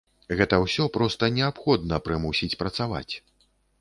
Гэта ўсё проста неабходна прымусіць працаваць.